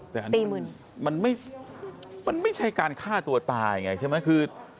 แต่อันนี้มันไม่ใช่การฆ่าตัวตายไงใช่ไหมคือ